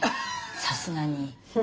さすがに。